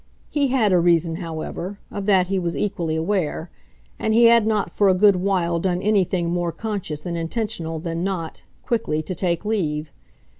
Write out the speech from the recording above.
He had a reason, however of that he was equally aware; and he had not for a good while done anything more conscious and intentional than not, quickly, to take leave.